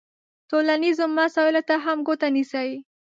ټولنیزو مسایلو ته هم ګوته نیسي.